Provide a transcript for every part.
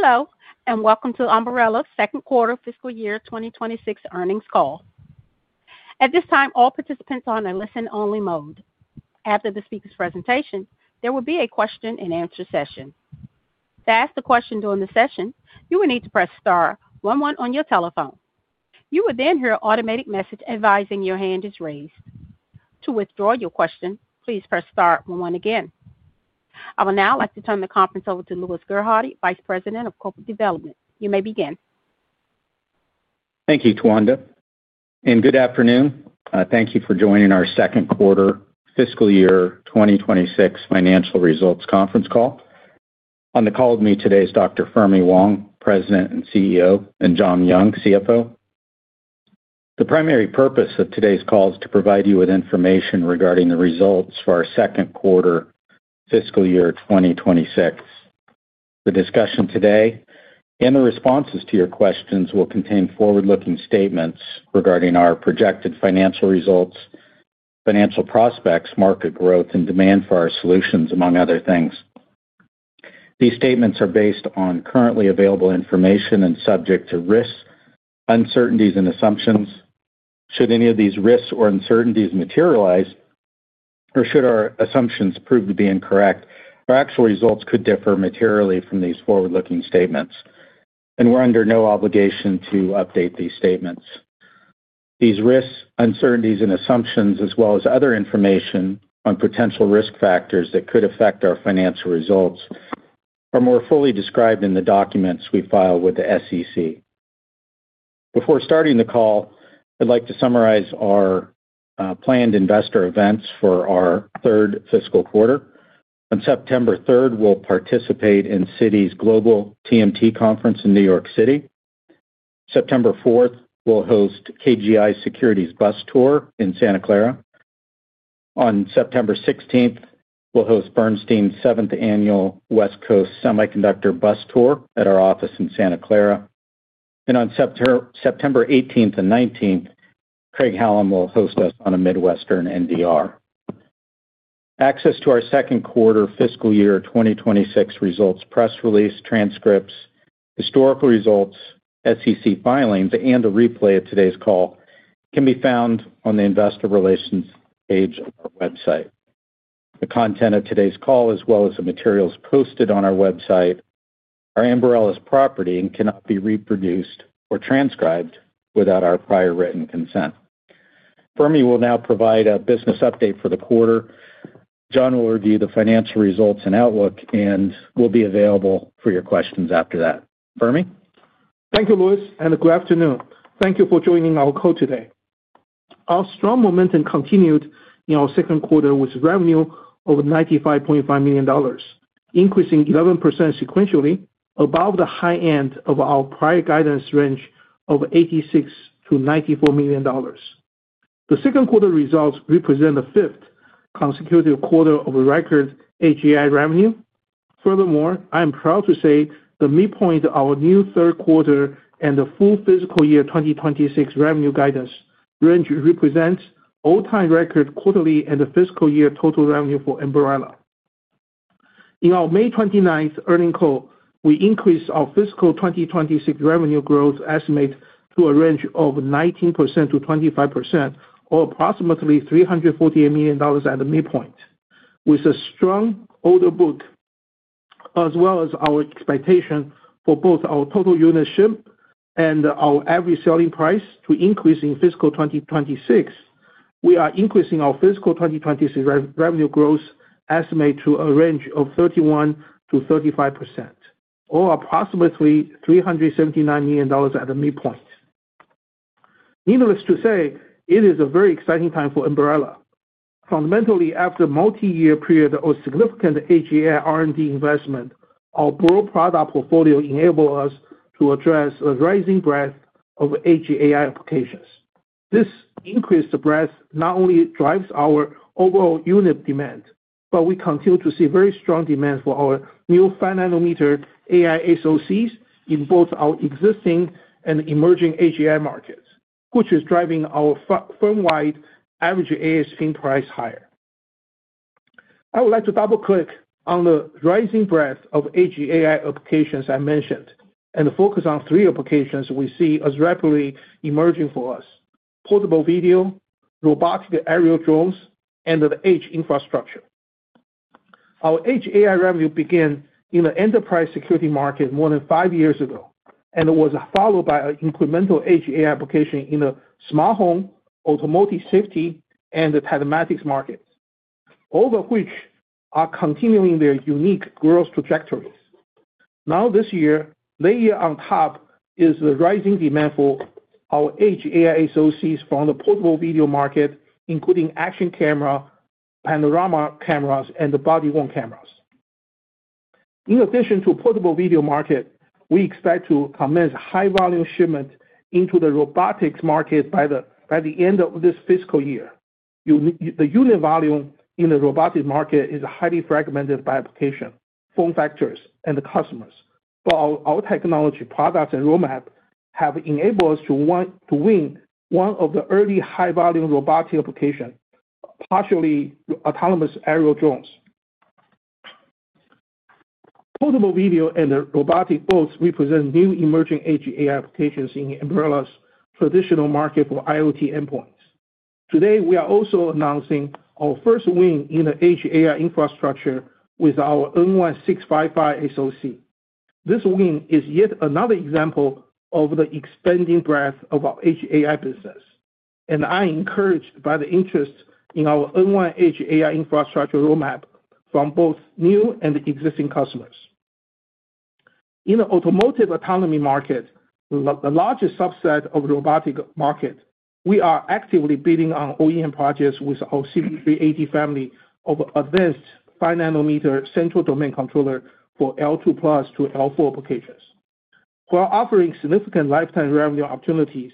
Hello and welcome to Ambarella second quarter fiscal year 2026 earnings call. At this time all participants are in a listen-only mode. After the speaker's presentation there will be a question-and-answer session. To ask the question during the session you will need to press *11 on your telephone. You will then hear an automatic message advising your hand is raised. To withdraw your question, please press *11 again. I would now like to turn the conference over to Louis Gerhardy, Vice President of Corporate Development. You may begin. Thank you, Tawanda, and good afternoon. Thank you for joining our second quarter fiscal year 2026 financial results conference call. On the call with me today is Dr. Fermi Wang, President and CEO, and John Young, CFO. The primary purpose of today's call is to provide you with information regarding the results for our second quarter fiscal year 2026. The discussion today and the responses to your questions will contain forward-looking statements regarding our projected financial results, financial prospects, market growth, and demand for our solutions, among other things. These statements are based on currently available information and subject to risks, uncertainties, and assumptions. Should any of these risks or uncertainties materialize or should our assumptions prove to be incorrect, our actual results could differ materially from these forward-looking statements, and we're under no obligation to update these statements. These risks, uncertainties, and assumptions, as well as other information on potential risk factors that could affect our financial results, are more fully described in the documents we file with the SEC. Before starting the call, I'd like to summarize our planned investor events for our third fiscal quarter. On September 3rd, we'll participate in Citi's Global TMT Conference in New York City. On September 4th, we'll host KGI Securities Bus Tour in Santa Clara. On September 16th, we'll host Bernstein 7th Annual West Coast Semiconductor Bus Tour at our office in Santa Clara. On September 18th and 19th, Craig Hallum will host us on a Midwestern NDR. Access to our second quarter fiscal year 2026 results, press release, transcripts, historical results, SEC filings, and a replay of today's call can be found on the Investor Relations page of our website. The content of today's call, as well as the materials posted on our website, are Ambarella's property and cannot be reproduced or transcribed without our prior written consent. Fermi will now provide a business update for the quarter. John will review the financial results and outlook and will be available for your questions after that. Fermi. Thank you Louis, and good afternoon. Thank you for joining our call today. Our strong momentum continued in our second quarter with revenue of $95.5 million, increasing 11% sequentially, above the high end of our prior guidance range of $86 million-$94 million. The second quarter results represent the fifth consecutive quarter of record AGI revenue. Furthermore, I am proud to say the midpoint of our new third quarter and the full fiscal year 2026 revenue guidance range represents all-time record quarterly and fiscal year total revenue for Ambarella. In our May 29 earnings call, we increased our fiscal 2026 revenue growth estimate to a range of 19%-25%, or approximately $348 million at the midpoint. With a strong order book as well as our expectation for both our total unit ship and our average selling price to increase in fiscal 2026, we are increasing our fiscal 2026 revenue growth estimate to a range of 31%-35%, or approximately $379 million at the midpoint. Needless to say, it is a very exciting time for Ambarella. Fundamentally, after a multi-year period of significant AGI R&D investment, our broad product portfolio enables us to address a rising breadth of AGI applications. This increased breadth not only drives our overall unit demand, but we continue to see very strong demand for our new 5 nm AI SoCs in both our existing and emerging AGI markets, which is driving our firm-wide average ASP price higher. I would like to double click on the rising breadth of AGI applications I mentioned and focus on three applications we see as rapidly emerging for us: Portable Video, Robotic Aerial Drones, and the Edge AI infrastructure. Our HAI revenue began in the enterprise security market more than five years ago and was followed by an incremental HAI application in the smart home, automotive safety, and the telematics market, all of which are continuing their unique growth trajectories. Now this year, layer on top is the rising demand for our Edge AI SoCs from the portable video market, including action cameras, panorama cameras, and the body-worn cameras. In addition to the portable video market, we expect to commence high volume shipment into the robotics market by the end of this fiscal year. The unit volume in the robotic market is highly fragmented by application form factors and the customers, but our technology products and roadmap have enabled us to win one of the early high volume robotic applications. Partially autonomous aerial drones, portable video, and robotic boats represent new emerging AG applications in Ambarella's traditional market for IoT endpoints. Today we are also announcing our first win in the HAI infrastructure with our N1655H Gen AI SoC. This win is yet another example of the expanding breadth of our HAI business and I am encouraged by the interest in our Edge AI infrastructure roadmap from both new and existing customers. In the automotive autonomy market, the largest subset of the robotic market, we are actively bidding on OEM projects with the CV3 family of advanced 5 nm central domain controllers for L2+ to L4 applications while offering significant lifetime revenue opportunities.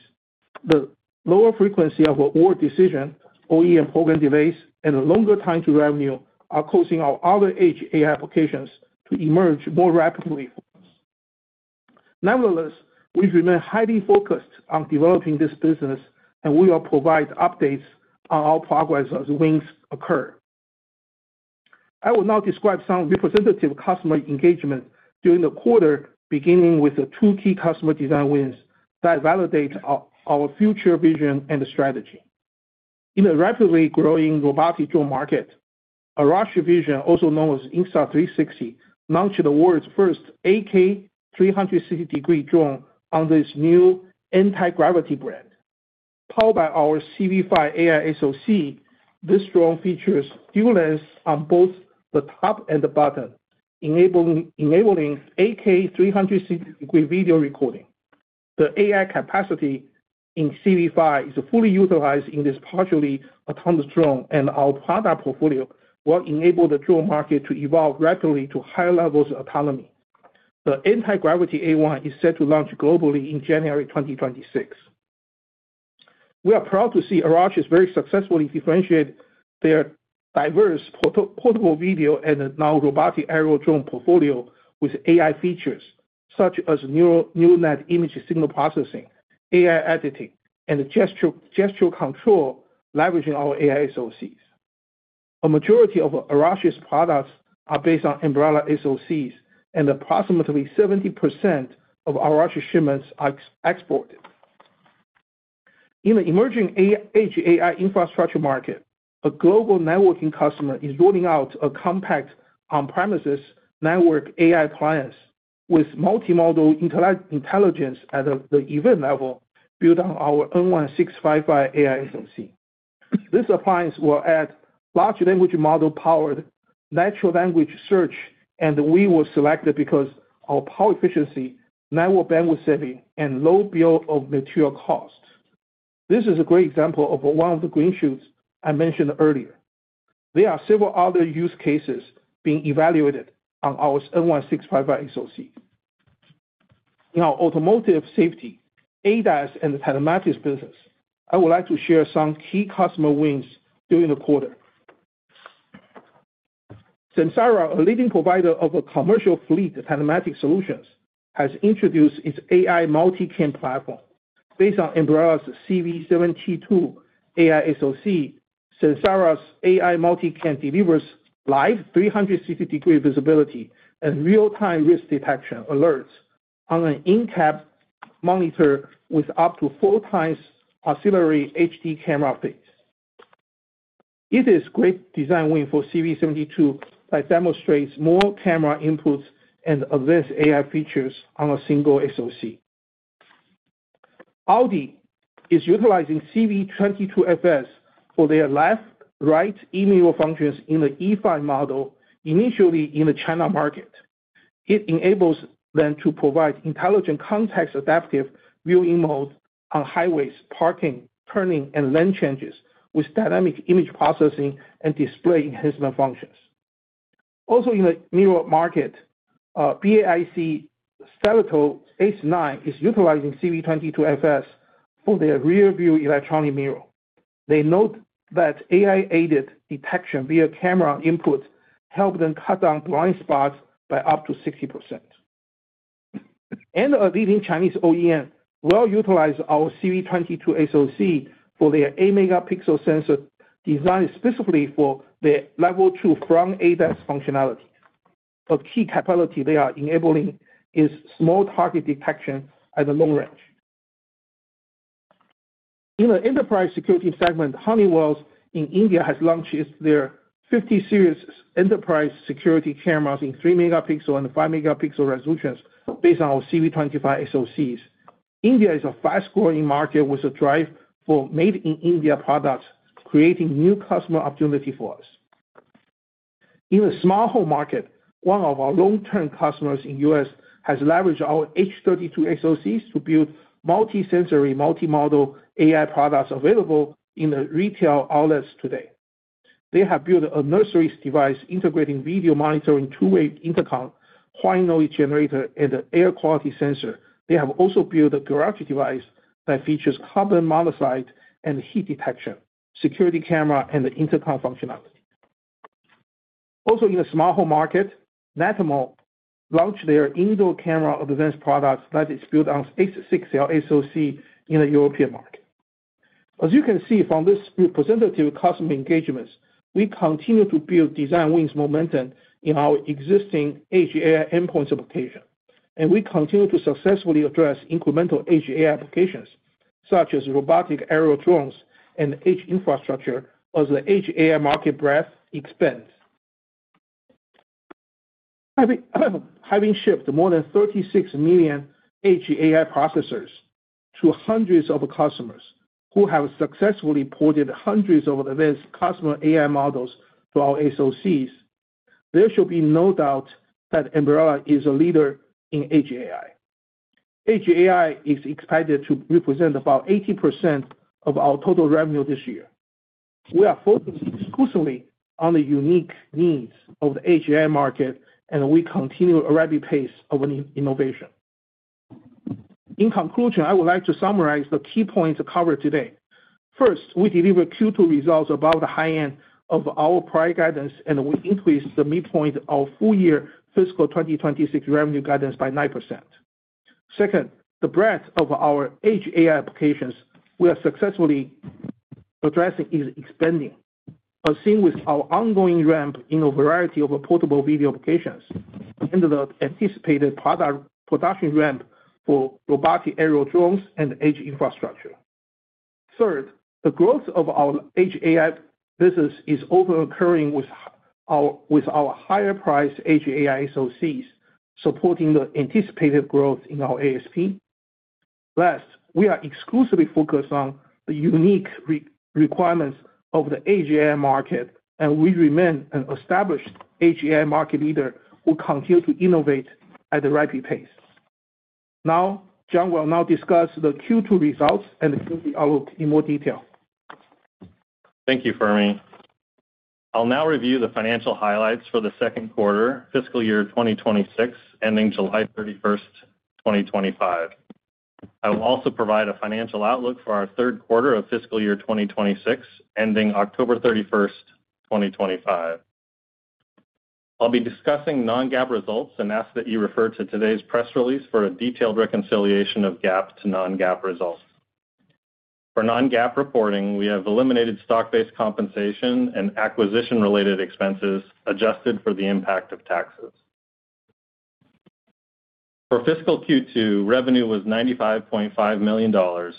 The lower frequency of award decisions, OEM program delays, and longer time to revenue are causing our other HAI applications to emerge more rapidly. Nevertheless, we remain highly focused on developing this business and we will provide updates on our progress as wins occur. I will now describe some representative customer engagement during the quarter, beginning with two key customer design wins that validate our future vision and strategy. In a rapidly growing robotic drone market, Arash Vision, also known as Insta360, launched the world's first 8K 360° drone on this new Antigravity brand, powered by our CV5 AI SoC. This drone features dual lenses on both the top and the bottom, enabling 8K 360° video recording. The AI capacity in CV5 is fully utilized in this partially autonomous drone and our product portfolio will enable the drone market to evolve rapidly to higher levels of autonomy. The Antigravity A1 is set to launch globally in January 2026. We are proud to see Arash has very successfully differentiated their diverse portable video and now robotic aerial drone portfolio with AI features such as neural net image signal processing, AI additive, and gestural control. Leveraging our AI SoCs, a majority of Arash's products are based on Ambarella SoCs and approximately 70% of Arash shipments are exported. In the emerging AI infrastructure market, a global networking customer is rolling out a compact on-premises network AI appliance with multimodal intelligence at the event level built on our N1665H Gen AI SoC. This appliance will add large language model powered natural language search and we were selected because of our power efficiency, network bandwidth saving, and low bill of material cost. This is a great example of one of the green shoots I mentioned earlier. There are several other use cases being evaluated on our N1665H Gen AI SoC. In our automotive safety ADAS and telematics business. I would like to share some key customer wins during the quarter. Samsara, a leading provider of commercial fleet telematics solutions, has introduced its AI multicam platform based on Ambarella's CV72AQ AI SoC. Samsara's AI multicam delivers live 360° visibility and real-time risk detection alerts on an in-cab monitor with up to 4x auxiliary HD camera bit. It is a great design win for CV72 that demonstrates more camera inputs and advanced AI features on a single SoC. Audi is utilizing CV22FS for their left right e-mirror functions in the E5 model. Initially in the China market, it enables them to provide intelligent context adaptive view remote on highways, parking, turning, and lane changes with dynamic image processing and display enhancement functions. Also in the newer market, BAIC Styleto H9 is utilizing CV22FS for their rear view electronic mirror. They note that AI-aided detection via camera input helps them cut down blind spots by up to 60% and a leading Chinese OEM will utilize our CV22 SoC for their 8 MP sensor designed specifically for the level 2 front ADAS functionality. A key capability they are enabling is small target detection at long range. In the Enterprise Security segment, Honeywell in India has launched their 50 Series security cameras in 3 MP and 5 MP resolutions based on our CV25 SoCs. India is a fast-growing market with a drive for made in India products, creating new customer opportunity for us in a small home market. One of our long-term customers in the U.S. has leveraged our H32 SoCs to build multisensory multimodal AI products available in retail outlets today. They have built a nursery device integrating video monitoring, two-way intercom, white noise generator, and air quality sensor. They have also built a garage device that features carbon monoxide and heat detection, security camera, and the intercom functionality. Also in the smart home market, Netatmo launched their indoor camera advanced product that is built on H6L SoC in the European market. As you can see from these representative customer engagements, we continue to build design wins momentum in our existing AG Endpoints application and we continue to successfully address incremental AG applications such as robotic aerial drones and Edge infrastructure as the HAI market breadth expands. Having shipped more than 36 million HAI processors to hundreds of customers who have successfully ported hundreds of advanced customer AI models to our SoCs, there should be no doubt that Ambarella is a leader in AGI. AGI is expected to represent about 80% of our total revenue this year. We are focusing exclusively on the unique needs of the AGI market and we continue a rapid pace of innovation. In conclusion, I would like to summarize the key points covered today. First, we deliver Q2 results above the high end of our prior guidance and we increase the midpoint of full year fiscal 2026 revenue guidance by 9%. Second, the breadth of our Edge AI applications we are successfully addressing is expanding as seen with our ongoing ramp in a variety of portable video applications and the anticipated production ramp for robotic aerial drones and Edge infrastructure. Third, the growth of our AI business is also occurring with our higher priced AG AI SoCs supporting the anticipated growth in our ASP. Last, we are exclusively focused on the unique requirements of the AGI market and we remain an established AGI market leader who continues to innovate at the rapid pace now. John will now discuss the Q2 results and outlook in more detail. Thank you, Fermi. I'll now review the financial highlights for the second quarter of fiscal year 2026 ending July 31st, 2025. I will also provide a financial outlook for our third quarter of fiscal year 2026 ending October 31st, 2025. I'll be discussing non-GAAP results and ask that you refer to today's press release for a detailed reconciliation of GAAP to non-GAAP results. For non-GAAP reporting, we have eliminated stock-based compensation and acquisition-related expenses, adjusted for the impact of taxes. For fiscal Q2, revenue was $95.5 million,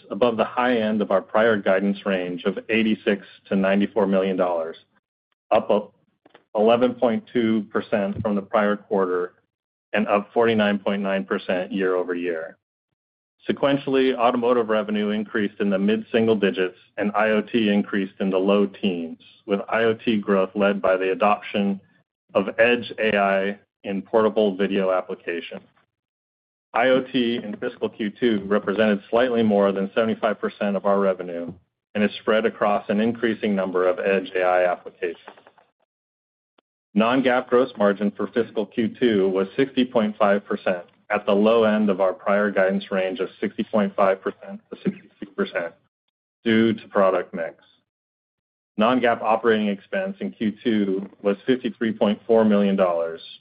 above the high end of our prior guidance range of $86 million-$94 million, up 11.2% from the prior quarter and up 49.9% year-over-year. Sequentially, automotive revenue increased in the mid-single digits and IoT increased in the low teens, with IoT growth led by the adoption of Edge AI in portable video applications. IoT in fiscal Q2 represented slightly more than 75% of our revenue and is spread across an increasing number of Edge AI applications. Non-GAAP gross margin for fiscal Q2 was 60.5%, at the low end of our prior guidance range of 60.5%-66% due to product mix. Non-GAAP operating expense in Q2 was $53.4 million,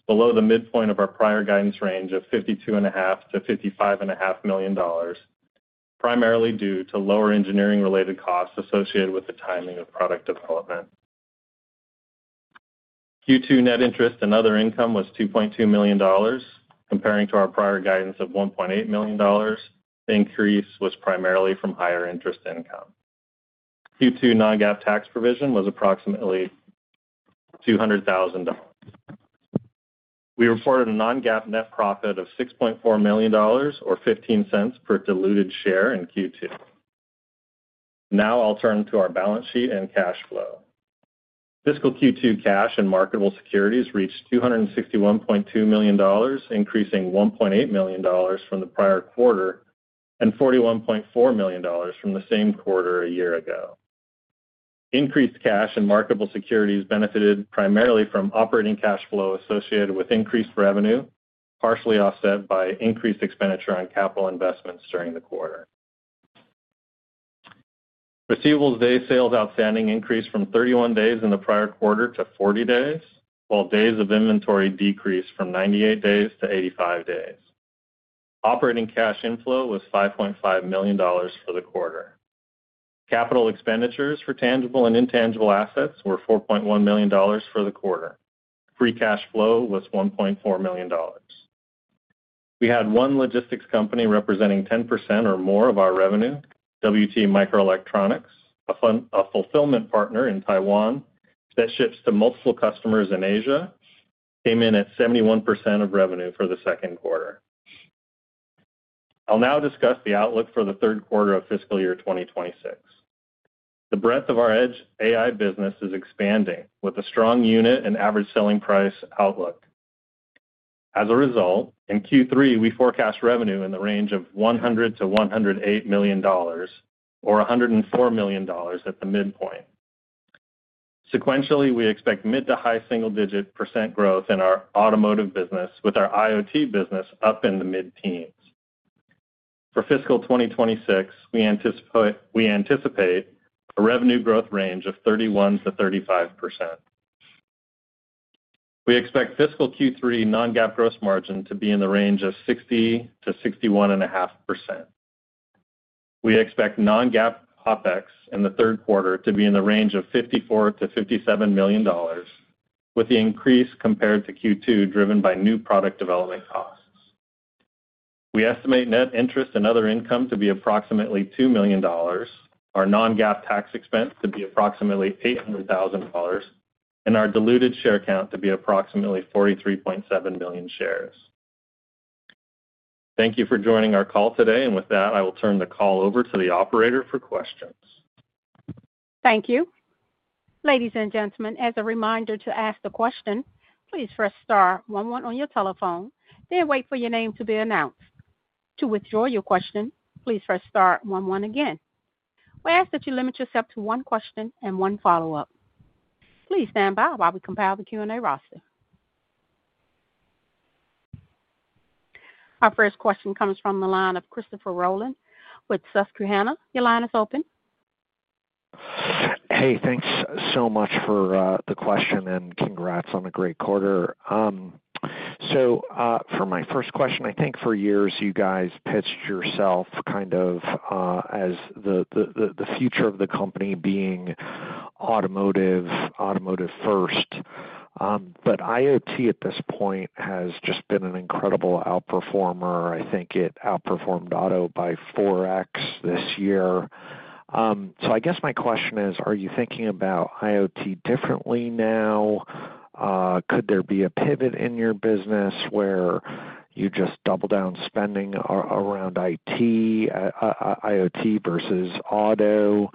below the midpoint of our prior guidance range of $52.5 million-$55.5 million, primarily due to lower engineering-related costs associated with the timing of product development. Q2 net interest and other income was $2.2 million, compared to our prior guidance of $1.8 million. The increase was primarily from higher interest income. Q2 non-GAAP tax provision was approximately $200,000. We reported a non-GAAP net profit of $6.4 million, or $0.15 per diluted share in Q2. Now I'll turn to our balance sheet and cash flow. Fiscal Q2 cash and marketable securities reached $261.2 million, increasing $1.8 million from the prior quarter and $41.4 million from the same quarter a year ago. Increased cash and marketable securities benefited primarily from operating cash flow associated with increased revenue, partially offset by increased expenditure on capital investments during the quarter. Receivables day sales outstanding increased from 31 days in the prior quarter to 40 days, while days of inventory decreased from 98 days to 85 days. Operating cash inflow was $5.5 million for the quarter. Capital expenditures for tangible and intangible assets were $4.1 million for the quarter. Free cash flow was $1.4 million. We had one logistics company representing 10% or more of our revenue. WT Microelectronics, a fulfillment partner in Taiwan that ships to multiple customers in Asia, came in at 71% of revenue for the second quarter. I'll now discuss the outlook for the third quarter of fiscal year 2026. The breadth of our Edge AI business is expanding with a strong unit and average selling price outlook. As a result, in Q3 we forecast revenue in the range of $100 million-$108 million, or $104 million at the midpoint. Sequentially, we expect mid to high single digit percent growth in our automotive business, with our IoT business up in the mid-teens. For fiscal 2026, we anticipate a revenue growth range of 31%-35%. We expect fiscal Q3 non-GAAP gross margin to be in the range of 60%-61.5%. We expect non-GAAP OpEx in the third quarter to be in the range of $54 million-$57 million, with the increase compared to Q2 driven by new product development costs. We estimate net interest and other income to be approximately $2 million, our non-GAAP tax expense to be approximately $800,000, and our diluted share count to be approximately 43.7 million shares. Thank you for joining our call today, and with that I will turn the call over to the operator for questions. Thank you. Ladies and gentlemen, as a reminder to ask a question, please press *11 on your telephone, then wait for your name to be announced. To withdraw your question, please press *11 again. We ask that you limit yourself to one question and one follow-up. Please stand by while we compile the Q&A roster. Our first question comes from the line of Christopher Rolland with Susquehanna. Your line is open. Hey, thanks so much for the question and congrats on a great quarter. For my first question, I think for years you guys pitched yourself kind of as the future of the company being automotive, automotive first. IoT at this point has just been an incredible outperformer. I think it outperformed auto by 4x this year. My question is, are you thinking about IoT differently now? Could there be a pivot in your business where you just double down spending around IoT versus auto,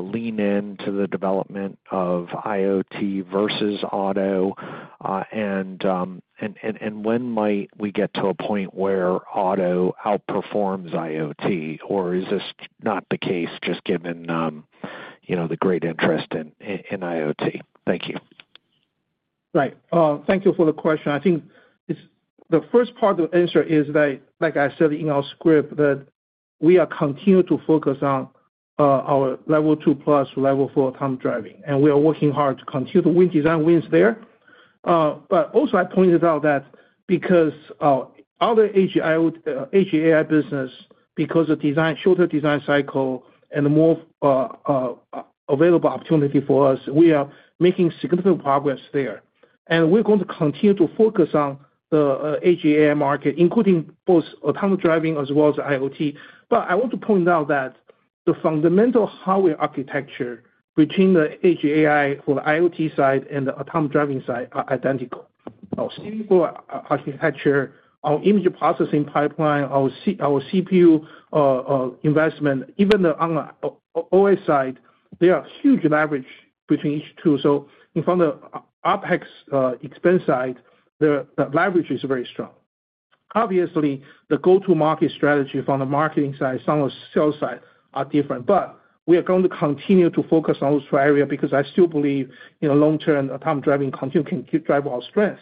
lean into the development of IoT versus auto and when might we get to a point where auto outperforms IoT or is this not the case just given the great interest in IoT? Thank you. Right, thank you for the question. I think the first part of the answer is like I said in our script, that we are continuing to focus on our Level 2 + Level 4 autonomous driving and we are working hard to continue the design wins there. I also pointed out that because other AG business, because of shorter design cycle and more available opportunity for us, we are making significant progress there. We are going to continue to focus on the AG market, including both autonomous driving as well as IoT. I want to point out that the fundamental hardware architecture between the AG for the IoT side and the autonomous driving side are identical architecture, our image processing pipeline, our CPU investment, even on the OS side, there is huge leverage between each two. From the OpEx expense side, the leverage is very strong. Obviously, the go-to-market strategy from the marketing side and the sales side are different. We are going to continue to focus on those areas because I still believe in the long-term autonomous driving can continue to drive our strength.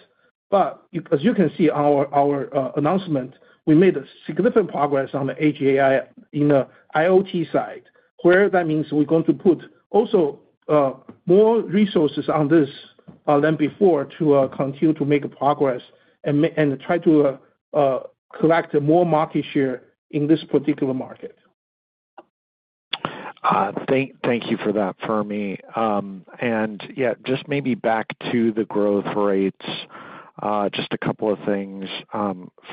As you can see in our announcement, we made significant progress on the AGI in the IoT side, which means we are going to put also more resources on this than before to continue to make progress and try to collect more market share in this particular market. Thank you for that, Fermi. Just maybe back to the growth rates. Just a couple of things.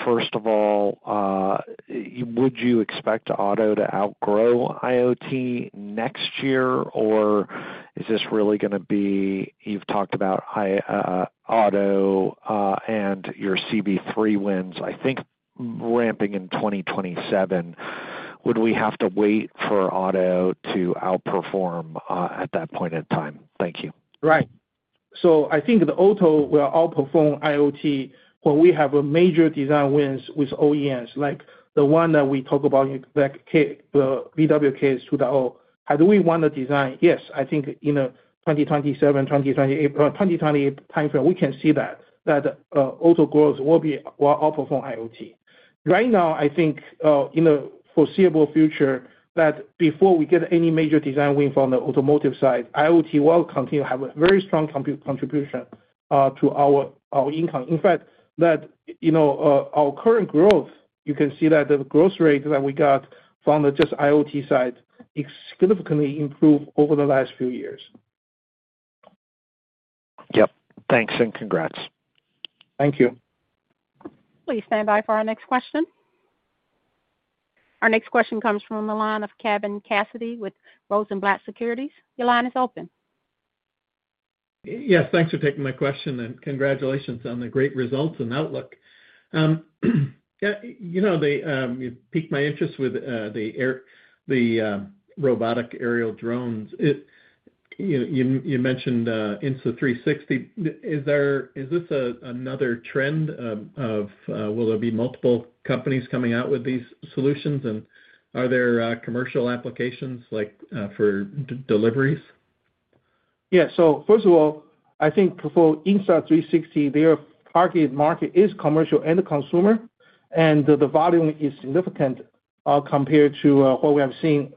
First of all, would you expect Auto to outgrow IoT next year, or is this really going to be, you've talked about Auto and your CV3 wins, I think, ramping in 2027, would we have to wait for Auto to outperform at that point in time? Thank you. Right, so I think the Auto will outperform IoT when we have major design wins with OEMs like the one that we talk about. BWK is 2.0. How do we want the design? Yes, I think in a 2027, 2028 timeframe we can see that that auto growth will be outperformed IoT. Right now I think in the foreseeable future that before we get any major design win from the automotive side, IoT will continue to have a very strong contribution to our income. In fact, that our current growth, you can see that the growth rate that we got from just IoT side significantly improved over the last few years. Yep. Thanks and congrats. Thank you. Please stand by for our next question. Our next question comes from the line of Kevin Cassidy with Rosenblatt Securities. Your line is open. Yes, thanks for taking my question and congratulations on the great results and outlook. You know, they piqued my interest with the robotic aerial drones you mentioned. Insta360, is this another trend of will there be multiple companies coming out with these solutions, and are there commercial applications like for deliveries? Yeah. First of all, I think for Insta360, their target market is commercial and consumer, and the volume is significant compared to what we have seen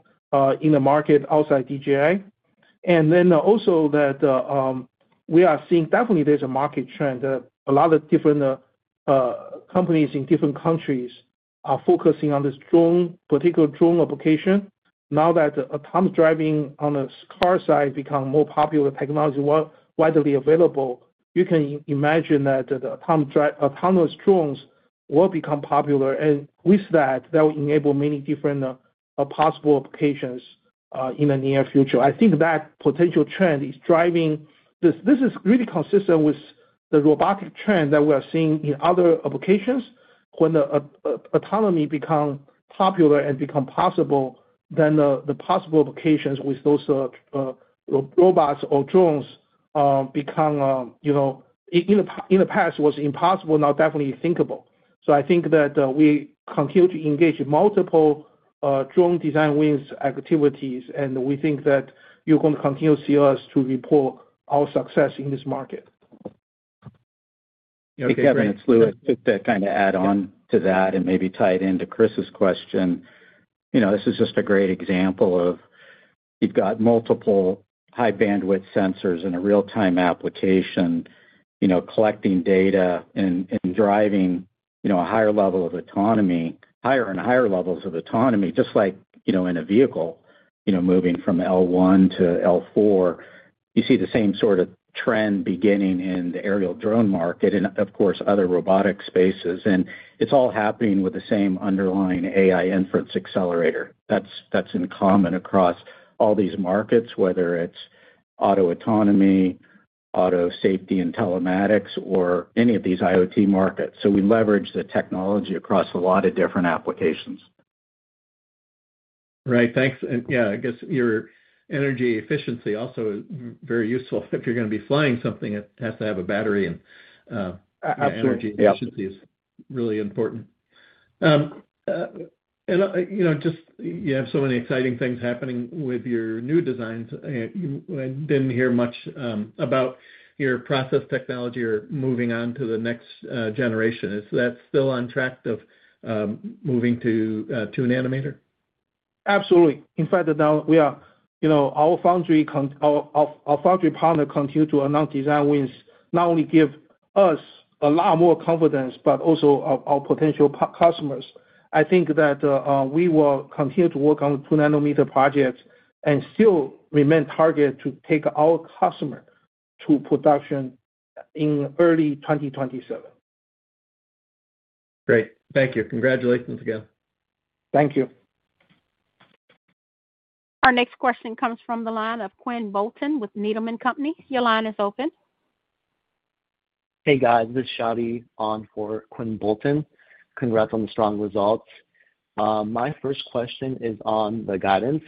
in the market outside DJI. Also, we are seeing definitely there's a market trend. A lot of different companies in different countries are focusing on this drone, particular drone application. Now that autonomous driving on a car side becomes more popular technology, widely available, you can imagine that the autonomous drones will become popular, and with that, that will enable many different possible applications in the near future. I think that potential trend is driving this. This is really consistent with the robotic trend that we are seeing in other applications. When the autonomy becomes popular and becomes possible, then the possible applications with those robots or drones become, you know, in the past was impossible, not definitely thinkable. I think that we continue to engage multiple drone design wins activities, and we think that you're going to continue to see us report our success in this market. Kevin, it's Louis to kind of add on to that and maybe tie it into Chris's question. This is just a great example of you've got multiple high bandwidth sensors in a real time application, collecting data and driving a higher level of autonomy, higher and higher levels of autonomy. Just like in a vehicle, moving from L1 to L4, you see the same sort of trend beginning in the aerial drone market and of course other robotic spaces. It's all happening with the same underlying AI inference accelerator that's in common across all these markets, whether it's auto autonomy, auto safety and telematics, or any of these IoT markets. We leverage the technology across a lot of different applications. Right, thanks. Yeah, I guess your energy efficiency also is very useful if you're going to be flying something, it has to have a battery and efficiency is really important. You have so many exciting things happening with your new designs. I didn't hear much about your process technology or moving on to the next generation. Is that still on track of moving to an animator? Absolutely. In fact, we are, you know, our factory partner continue to announce design wins. Not only give us a lot more confidence, but also our potential customers. I think that we will continue to work on the 2 nm projects and still remain target to take our customer to production in early 2027. Great, thank you. Congratulations again. Thank you. Our next question comes from the line of Quinn Bolton with Needham&Company. Your line is open. Hey guys, this is Shadi on for Quinn Bolton. Congrats on the strong results. My first question is on the guidance.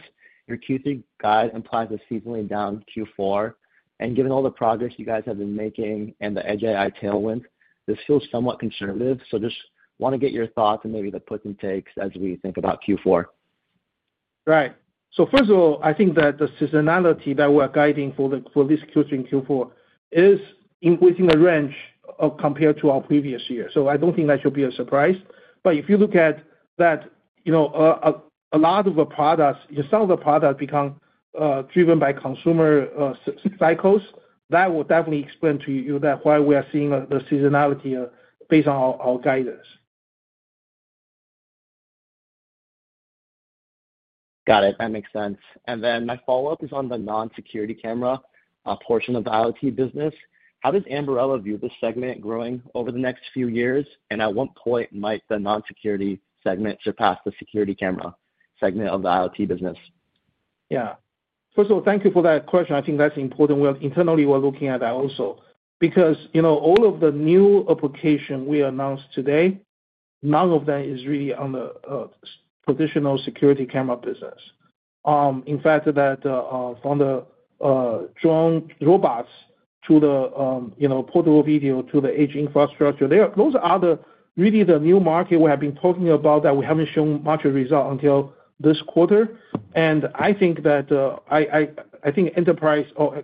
Your Q3 guide implies a seasonally down Q4, and given all the progress you guys have been making and the Edge AI tailwind, this feels somewhat conservative. Just want to get your thoughts and maybe the puts and takes as we think about Q4. Right. First of all, I think that the seasonality that we're guiding for this Q3 and Q4 is increasing the range compared to our previous year. I don't think that should be a surprise. If you look at that, a lot of the products, some of the products become driven by consumer cycles. That will definitely explain to you why we are seeing the seasonality based on our guidance. Got it. That makes sense. My follow up is on the non-security camera portion of the IoT business. How does Ambarella view this segment growing over the next few years? At what point might the non security segment surpass the security camera segment of the IoT business? Yeah, first of all, thank you for that question. I think that's important. Internally, we're looking at that also because, you know, all of the new application we announced today, none of that is really on the traditional security camera business. In fact, from the drone robots to the portable video to the Edge AI infrastructure, those are really the new market we have been talking about that we haven't shown much of result until this quarter. I think enterprise or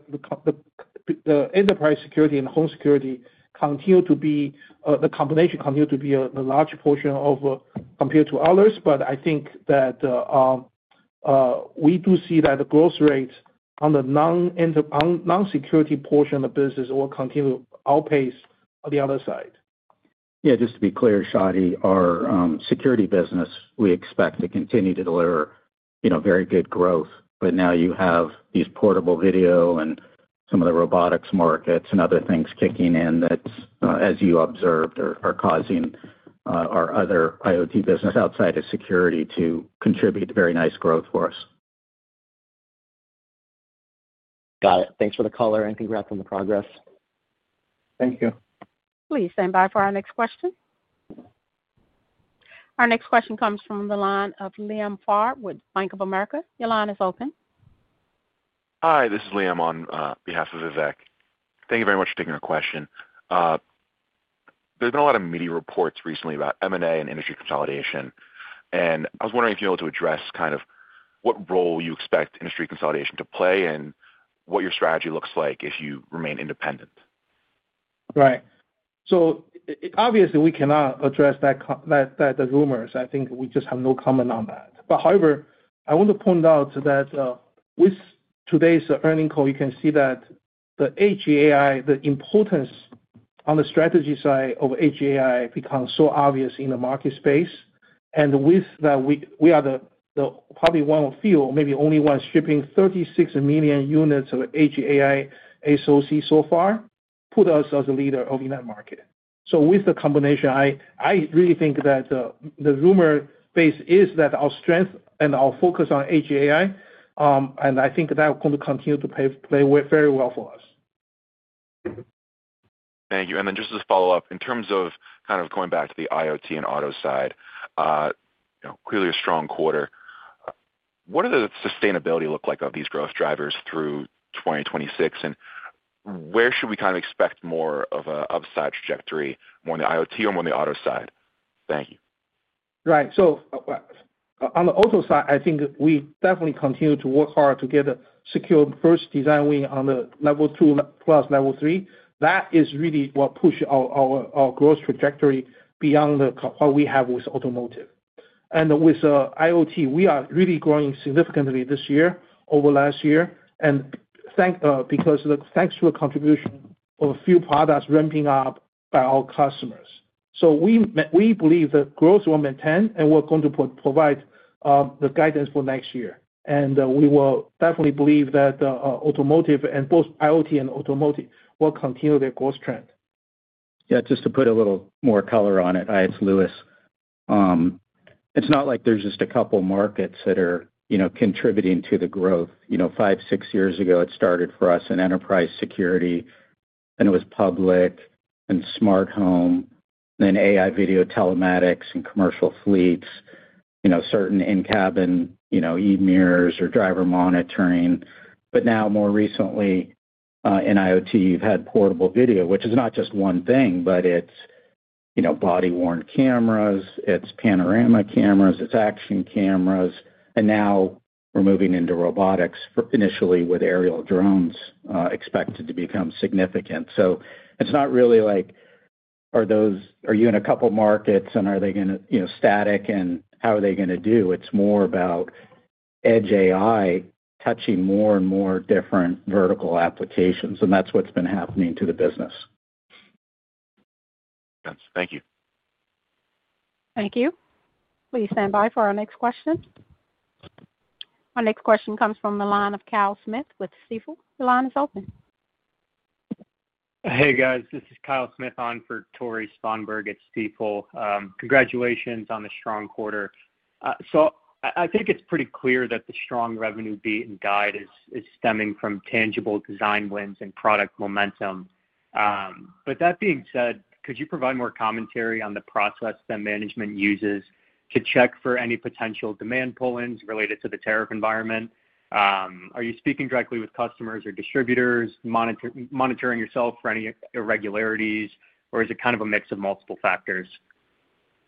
the enterprise security and home security continue to be the combination, continue to be a large portion of compared to others. I think that we do see that the growth rate on the non-security portion of the business will continue to outpace the other side. Yeah, just to be clear, Shadi, our security business, we expect to continue to deliver very good growth. Now you have these portable video and some of the robotics markets and other things kicking in that, as you observed, are causing our other IoT business outside of security to contribute to very nice growth for us. Got it. Thanks for the call and congrats on the progress. Thank you. Please stand by for our next question. Our next question comes from the line of Liam Farr with Bank of America. Your line is open. Hi, this is Liam. On behalf of Vivek, thank you very much for taking a question. There's been a lot of media reports recently about M&A and industry consolidation, and I was wondering if you're able to address kind of what role you expect industry consolidation to play and what your strategy looks like if you remain independent. Right. Obviously we cannot address that rumor. I think we just have no comment on that. However, I want to point out that with today's earnings call, you can see that again, the importance on the strategy side of AGI becomes so obvious in the market space. With that, we are probably one of few, maybe only one, shipping 36 million units of HAI SoC so far, which puts us as a leader in that market. With the combination, I really think that the rumor base is that our strength and our focus on AGI, and I think that's going to continue to play very well for us. Thank you. Just as a follow-up in terms of kind of going back to the IoT and auto side, clearly a strong quarter. What do the sustainability look like of these growth drivers through 2026, and where should we kind of expect more of an upside trajectory, more on the IoT or more on the Auto side? Thank you. Right. On the auto side, I think we definitely continue to work hard to get a secure first design win on the Level 2+, Level 3. That is really what pushes our growth trajectory beyond what we have with Automotive. With IoT, we are really growing significantly this year over last year, thanks to a contribution of a few products ramping up by our customers. We believe that growth will maintain, and we're going to provide the guidance for next year. We definitely believe that both IoT and Automotive will continue their growth trend. Yeah, just to put a little more color on it, it's Louis. It's not like there's just a couple markets that are contributing to the growth. Five, six years ago it started for us in enterprise security and it was public and smart home. Then AI, video telematics and commercial fleets. Certain in-cabin emirs or driver monitoring. More recently in IoT you've had portable video, which is not just one thing, but it's, you know, body worn cameras, it's panorama cameras, it's action cameras. Now we're moving into robotics, initially with aerial drones expected to become significant. It's not really like, are you in a couple markets and are they going to, you know, static and how are they going to do. It's more about edge AI touching more and more different vertical applications. That's what's been happening to the business. Thank you. Thank you. Please stand by for our next question. Our next question comes from the line of Kyle Smith with Stifel. The line is open. Hey guys, this is Kyle Smith on for Tore Svanberg at Stifel. Congratulations on the strong quarter. I think it's pretty clear that the strong revenue beat and guide is stemming from tangible design wins and product momentum. That being said, could you provide more commentary on the process that management uses to check for any potential demand pull ins related to the tariff environment? Are you speaking directly with customers or distributors, monitoring yourself for any irregularities, or is it kind of a mix of multiple factors?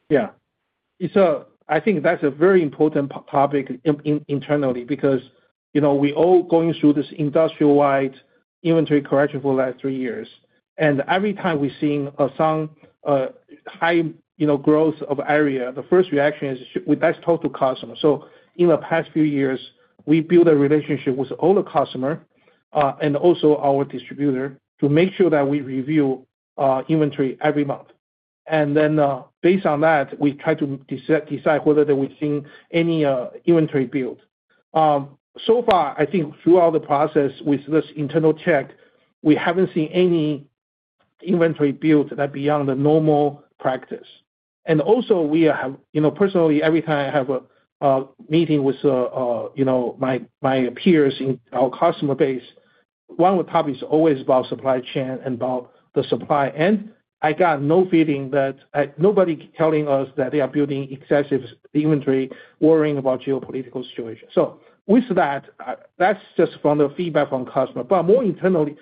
Yeah, I think that's a very important topic internally because we are all going through this industry-wide inventory correction for the last three years, and every time we see some high growth of area, the first reaction is that's total customer. In the past few years, we build a relationship with all the customers and also our distributor to make sure that we review inventory every month, and then based on that, we try to decide whether we've seen any inventory build. So far, I think throughout the process with this internal check, we haven't seen any inventory build that is beyond the normal practice. Also, personally, every time I have a meeting with my peers in our customer base, one of the topics is always about supply chain and about the supply, and I got no feeling that anybody is telling us that they are building excessive inventory, worrying about geopolitical situation. With that, that's just from the feedback from customers, but more internally,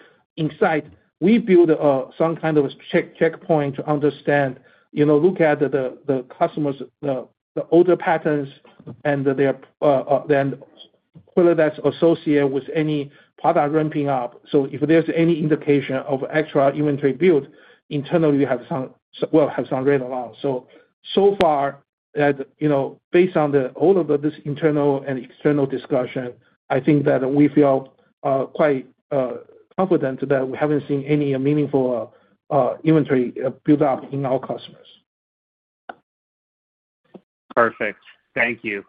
we build some kind of a checkpoint to understand, look at the customers, the order patterns, and whether that's associated with any product ramping up. If there's any indication of extra inventory build internally, we have some read along. So far, based on all of this internal and external discussion, I think that we feel quite confident that we haven't seen any meaningful inventory build up in our customers. Perfect, thank you.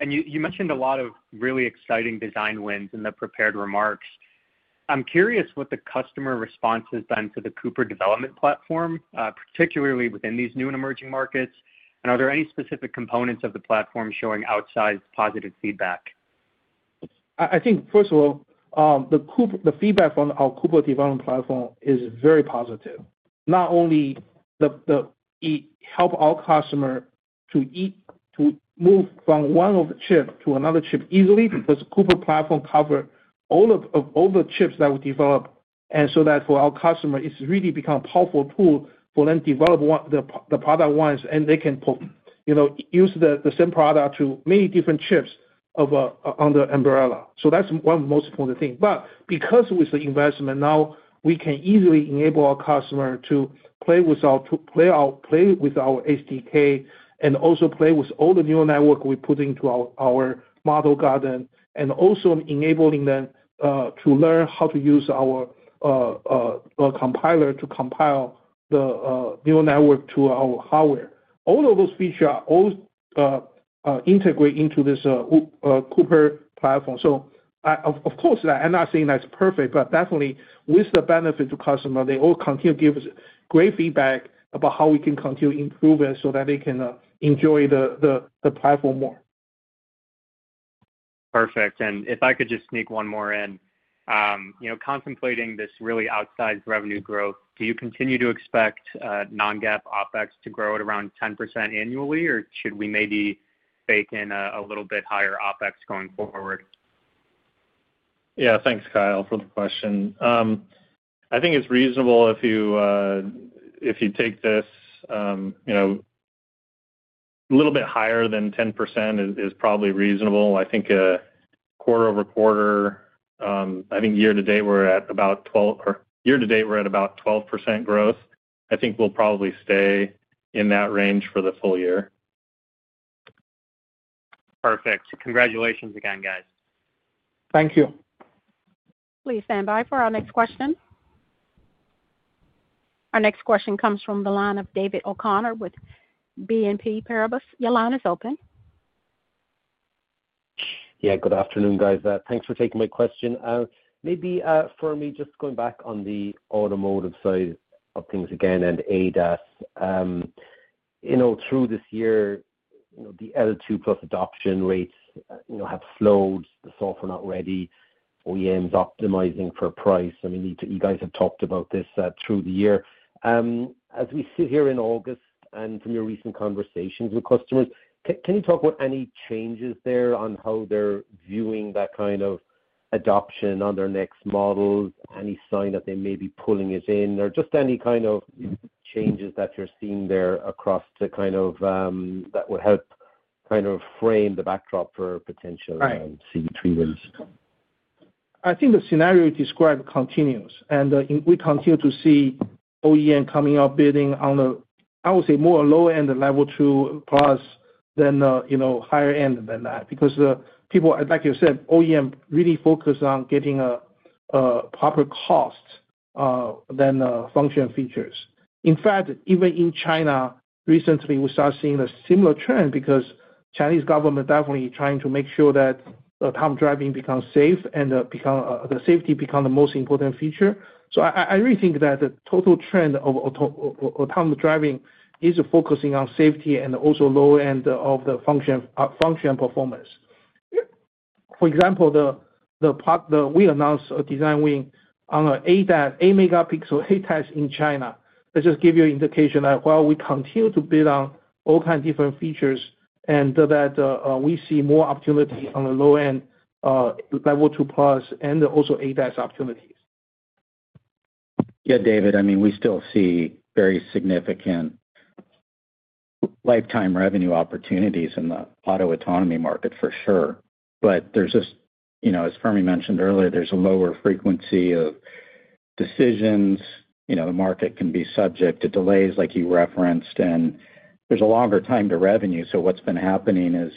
You mentioned a lot of really exciting design wins in the prepared remarks. I'm curious what the customer response has been to the Cooper development platform, particularly within these new and emerging markets. Are there any specific components of the platform showing outsized positive feedback? I think first of all, the feedback from our Cooper development platform is very positive. Not only help our customer to move from one of the chip to another chip easily because Cooper platform cover all the chips that we develop, and so that for our customer it's really become powerful tool for them develop the product once and they can use the same product through many different chips on the Ambarella. That's one most important thing. With the investment now, we can easily enable our customer to play with our SDK and also play with all the neural network we put into our model garden and also enabling them to learn how to use our compiler to compile the neural network to our hardware. All of those features are all integrated into this Cooper platform. I'm not saying that's perfect, but definitely with the benefit to customer, they all continue to give us great feedback about how we can continue improvement so that they can enjoy the platform more. Perfect. If I could just sneak one more in, contemplating this really outsized revenue growth, do you continue to expect non-GAAP OpEx to grow at around 10% annually, or should we maybe bake in a little bit higher OpEx going forward? Yeah, thanks, Kyle, for the question. I think it's reasonable if you take this a little bit higher than 10% is probably reasonable. I think quarter-over-quarter. I think year to date we're at about 12% or year-to-date we're at about 12% growth. I think we'll probably stay in that range for the full year. Perfect. Congratulations again, guys. Thank you. Please stand by for our next question. Our next question comes from the line of David O'Connor with BNP Paribas. Your line is open. Yeah. Good afternoon, guys. Thanks for taking my question. Maybe for me, just going back on the automotive side of things again. ADAS, you know, through this year, the L2+ adoption rates, you know, have slowed, the software not ready, OEMs optimizing for price. You guys have talked about this through the year. As we sit here in August and from your recent conversations with customers, can you talk about any changes there on how they're viewing that kind of adoption on their next model? Any sign that they may be pulling it in, or just any kind of changes that you're seeing there that would help frame the backdrop for potential traders. I think the scenario described continues and we continue to see OEM coming up bidding on the, I would say, more low-end Level 2+ than, you know, higher end than that because people, like you said, OEM really focus on getting a proper cost than functional features. In fact, even in China recently we start seeing a similar trend because Chinese government definitely trying to make sure that autonomous driving becomes safe and the safety becomes the most important feature. I really think that the total trend of autonomous driving is focusing on safety and also low end of the function performance. For example, we announced a design win on 8 MP HADAS in China. That just gives you an indication that while we continue to bid on all kinds of different features, we see more opportunity on the low-end Level 2+ and also ADAS opportunities. Yeah, David, I mean we still see very significant lifetime revenue opportunities in the Auto autonomy market for sure. There's this, you know, as Fermi mentioned earlier, there's a lower frequency of decisions. The market can be subject to delays like you referenced, and there's a longer time to revenue. What's been happening is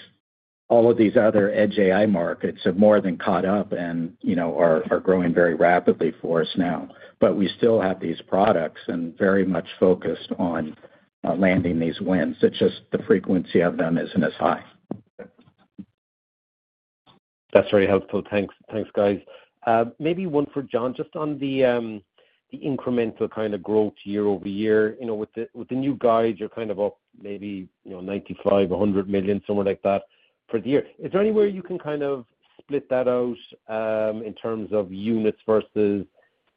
all of these other Edge AI markets have more than caught up and, you know, are growing very rapidly for us now. We still have these products and are very much focused on landing these wins. It's just the frequency of them isn't as high. That's very helpful, thanks. Thanks guys. Maybe one for John. Just on the incremental kind of growth year-over-year, with the new guide you're kind of up maybe $95 million, $100 million, somewhere like that for the year. Is there anywhere you can kind of split that out in terms of units versus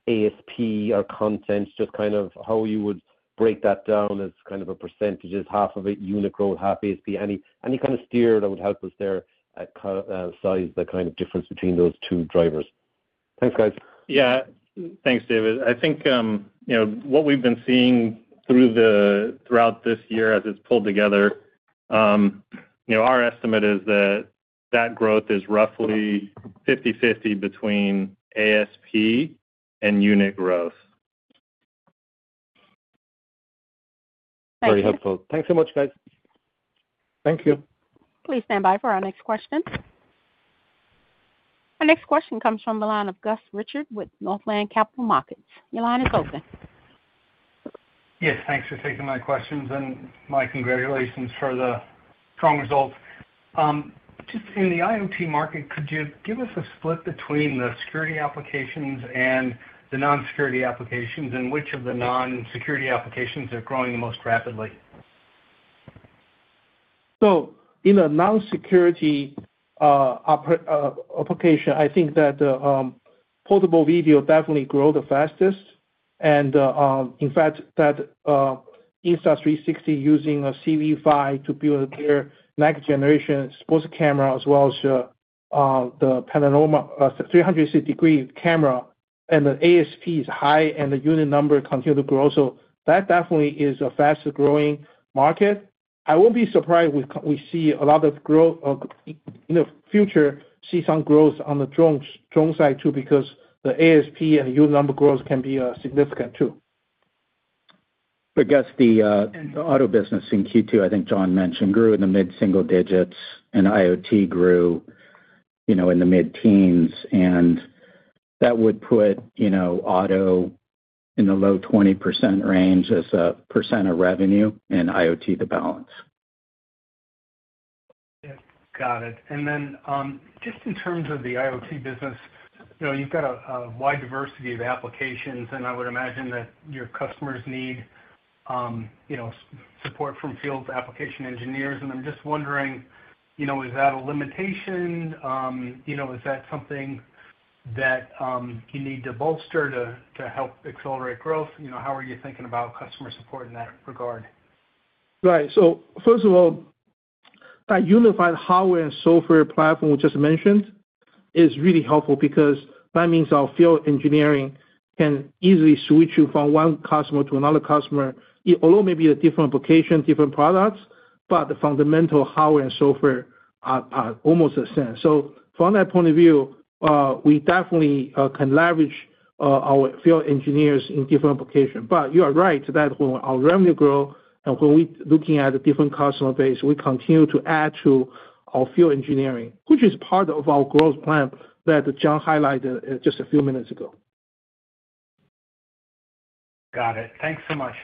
ASP? Our content, just kind of how you would break that down as kind of a percentage, is half of it unit growth, half ASP, any kind of steer that would help us there, size the kind of difference between those two drivers. Thanks guys. Yeah, thanks David. I think you know what we've been seeing throughout this year as it's pulled together. You know, our estimate is that growth is roughly 50/50 between ASP and unit growth. Very helpful. Thanks so much, guys. Thank you. Please stand by for our next question. Our next question comes from the line of Gus Richard with Northland Capital Markets. Your line is open. Yes, thanks for taking my questions and my congratulations for the strong results just in the IMT market. Could you give us a split between the security applications and the non security applications? Which of the non security applications are growing the most rapidly? In a non security application, I think that portable video definitely grow the fastest. In fact, Insta360 using CV5 to build their next generation sports camera as well as the panorama 360° camera and the ASP is high and the unit number continue to grow. That definitely is a faster growing market. I won't be surprised. We see a lot of growth in the future. See some growth on the drone side too because the ASP and yield number growth can be significant too. I guess. The auto business in Q2, I think John mentioned, grew in the mid single digits, and IoT grew in the mid-teens. That would put auto in the low 20% range as a percent of revenue, and IoT, the balance. Got it. In terms of the IoT business, you know, you've got a wide diversity of applications, and I would imagine that your customers need, you know, support from field application engineers. I'm just wondering, you know, is that a limitation? You know, is that something that you need to bolster to help accelerate growth? You know, how are you thinking about customer support in that regard? Right. First of all, that unified hardware and software platform we just mentioned is really helpful because that means our field engineering can easily switch you from one customer to another customer. Although maybe a different application, different products, the fundamental hardware and software are almost the same. From that point of view, we definitely can leverage our field engineers in different application. You are right that when our revenue grow and when we looking at the different customer base, we continue to add to our field engineering, which is part of our growth plan that John highlighted just a few minutes ago. Got it. Thanks so much.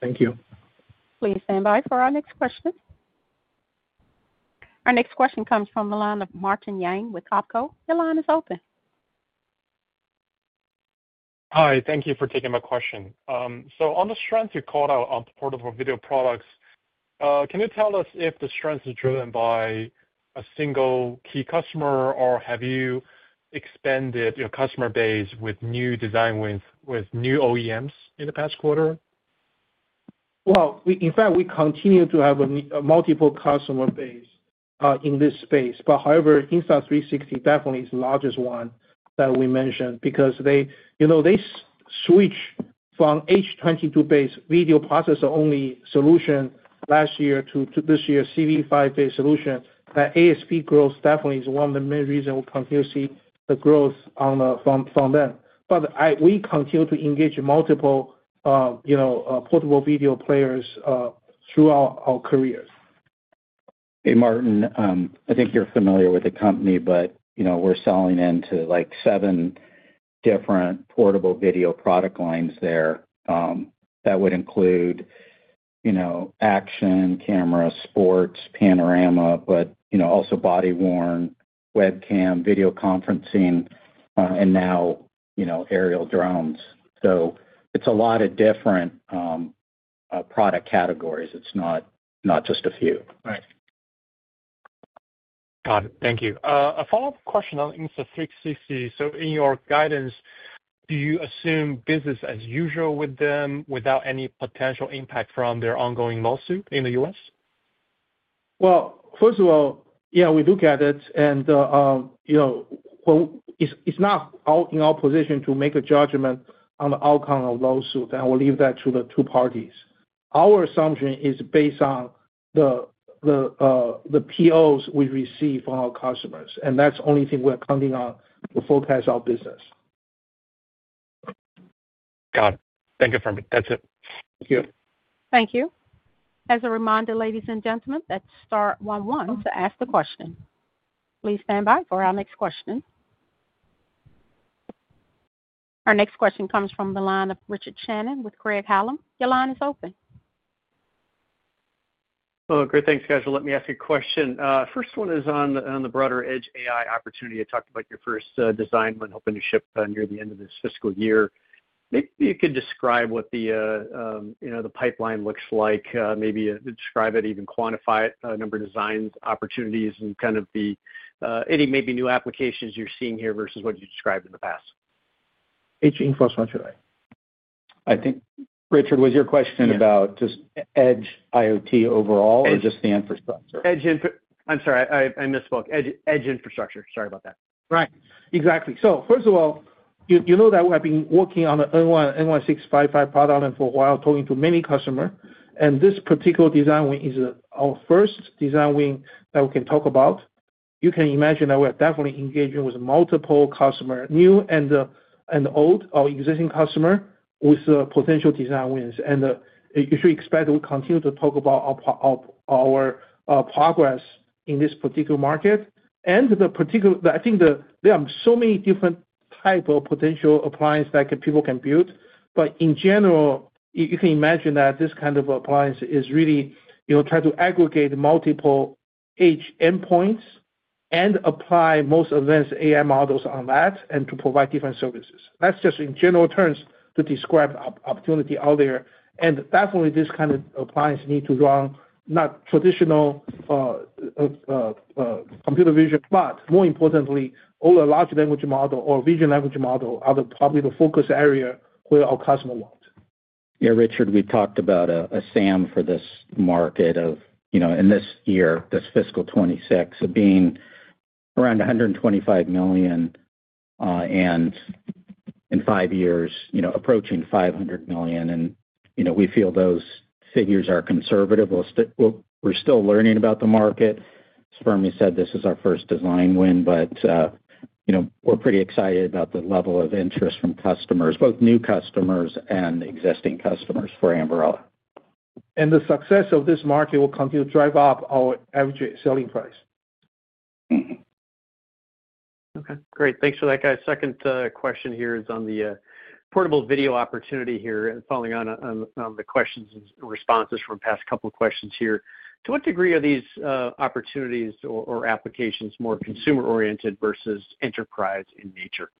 Thank you. Please stand by for our next question. Our next question comes from the line of Martin Yang with [Kako]. Your line is open. Hi, thank you for taking my question. On the strength you called out portable video products, can you tell us if the strength is driven by a single key customer? Or have you expanded your customer base with new design with new OEMs in the past quarter? In fact, we continue to have multiple customer base in this space. However, Insta360 definitely is the largest one that we mentioned because they switch from H22 based video process, the only solution last year, to this year, CV5 based solution. ASP growth definitely is one of the main reason we continue to see the growth from them. We continue to engage multiple portable video players throughout our careers. Hey Martin, I think you're familiar with the company, but we're selling into seven different portable video product lines there that would include, you know, action camera, sports panorama, but you know, also body worn, webcam, video conferencing, and now, you know, aerial drones. It's a lot of different product categories. It's not just a few. Right. Got it. Thank you. A follow up question on Insta360. In your guidance, do you assume business as usual with them without any potential impact from their ongoing lawsuit in the U.S.? First of all, we look at it and you know, it's not in our position to make a judgment on the outcome of the lawsuit and I will leave that to the two parties. Our assumption is based on the POs we receive from our customers and that's the only thing we're counting on. We forecast our business. Got it. Thank you. For me, that's it. Thank you. As a reminder, ladies and gentlemen, press star *11 to ask a question. Please stand by for our next question. Our next question comes from the line of Richard Shannon with Craig Hallum. Your line is open. Oh great. Thanks guys. Let me ask a question. The first one is on the broader Edge AI opportunity. I talked about your first design win hoping to ship near the end of this fiscal year. Maybe you can describe what the pipeline looks like, maybe describe it, even quantify number of design opportunities and kind of any maybe new applications you're seeing here versus what you described in the past. Edge infrastructure. I think, Richard, was your question about just Edge IoT overall or just the infrastructure? I'm sorry, I misspoke. Edge infrastructure. Sorry about that. Right, exactly. First of all, you know that we've been working on the N1655H Gen AI SoC product for a while, talking to many customers, and this particular design win is our first design win that we can talk about. You can imagine that we are definitely engaging with multiple customers, new and old or existing customers with potential design wins. You should expect we continue to talk about our progress in this particular market. I think there are so many different types of potential appliances that people can build. In general, you can imagine that this kind of appliance is really trying to aggregate multiple H endpoints and apply the most advanced AI models on that to provide different services. That's just in general terms to describe the opportunity out there. Definitely, this kind of appliance needs to run not traditional computer vision, but more importantly, all the large language models or vision language models are probably the focus area where our customers want. Yeah, Richard, we've talked about a SAM for this market of, you know, in this year, this fiscal 2026, of being around $125 million and in five years, you know, approaching $500 million, and, you know, we feel those figures are conservative. We're still learning about the market. Fermi said this is our first design win. You know, we're pretty excited about the level of interest from customers, both new customers and existing customers for Ambarella. The success of this market will continue to drive up our average selling price. Okay, great. Thanks for that, guys. Second question here is on the portable. Video opportunity here, and following on the questions and responses from past couple of questions here, to what degree are these opportunities or applications more consumer oriented versus enterprise in nature?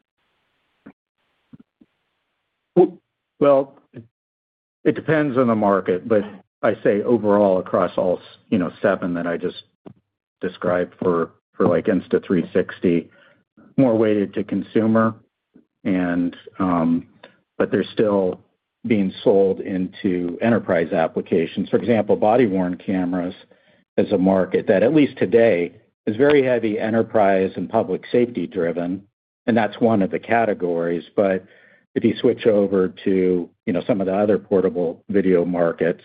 It depends on the market, but I say overall across all, you know, seven that I just described for like Insta360, more weighted to consumer, and they're still being sold into enterprise applications. For example, body-worn cameras is a market that at least today is very heavy enterprise and public safety-driven, and that's one of the categories. If you switch over to, you know, some of the other portable video markets,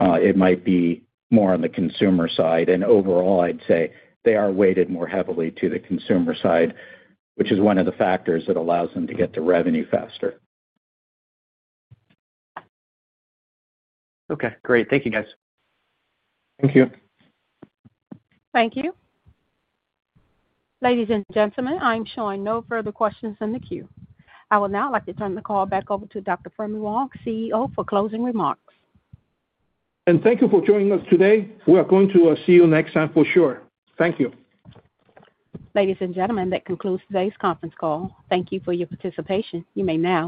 it might be more on the consumer side, and overall I'd say they are weighted more heavily to the consumer side, which is one of the factors that allows them to get to revenue faster. Okay, great. Thank you, guys. Thank you. Thank you. Ladies and gentlemen, I am showing no further questions in the queue. I would now like to turn the call back over to Dr. Fermi Wang, CEO, for closing remarks. Thank you for joining us today. We are going to see you next time for sure. Thank you. Ladies and gentlemen. That concludes today's conference call. Thank you for your participation. You may now [disconnect].